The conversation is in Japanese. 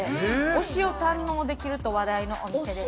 推しを堪能できると話題のお店です。